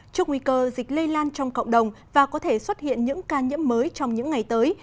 trước nguy cơ dịch lây lan trong cộng đồng và có thể xuất hiện những ca nhiễm mới trong những ngày tới